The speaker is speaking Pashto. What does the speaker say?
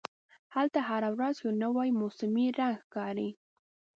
هلته هره ورځ یو نوی موسمي رنګ ښکاري.